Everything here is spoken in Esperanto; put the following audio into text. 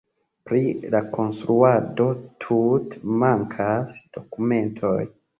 Pri la konstruado tute mankas dokumentoj.